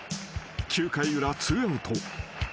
［九回裏ツーアウト］